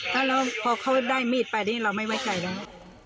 แล้วแล้วเพราะเขาได้มิตไปไปนี่เราไม่ไว้ใจแล้ว